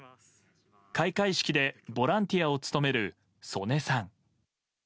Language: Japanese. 開会式でボランティアを務める曽根さん。